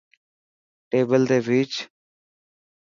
ٽيبل تي ڀيچ.